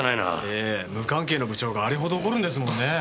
ええ無関係な部長があれほど怒るんですもんねぇ。